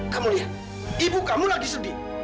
kamu lihat ibu kamu lagi sedih